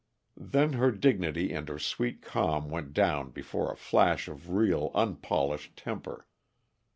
Then her dignity and her sweet calm went down before a flash of real, unpolished temper.